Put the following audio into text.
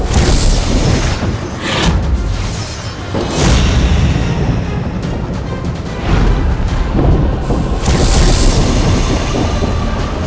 kau akan selamat